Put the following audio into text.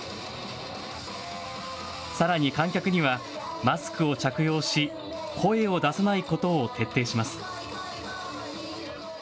さらに観客にはマスクを着用し声を出さないことを徹底します。